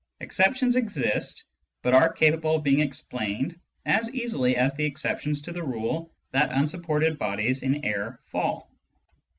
Exceptions exist, but are capable of being explained as easily as the exceptions to the rule that un supported bodies in air fall.